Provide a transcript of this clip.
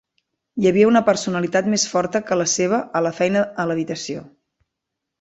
Hi havia una personalitat més forta que la seva a la feina a l'habitació.